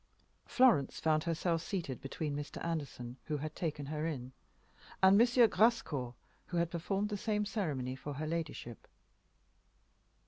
Florence found herself seated between Mr. Anderson, who had taken her in, and M. Grascour, who had performed the same ceremony for her ladyship.